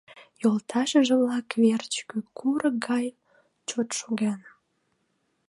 Йолташыже-влак верч кӱ курык гай чот шоген.